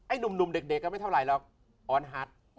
หนุ่มเด็กก็ไม่เท่าไหร่หรอกอ่อนฮัท